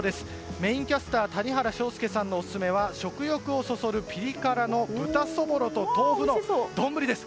メインキャスターの谷原章介さんのオススメは食欲をそそるピリ辛の豚そぼろと豆腐のどんぶりです。